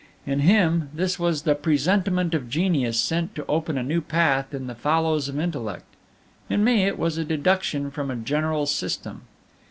In him this was the presentiment of genius sent to open a new path in the fallows of intellect; in me it was a deduction from a general system.